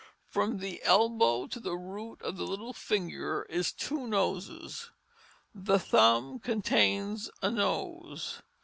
"From the Elbow to the Root of the Little Finger is Two Noses. "The Thumb contains a Nose.